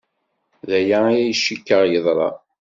D aya ay cikkeɣ yeḍra.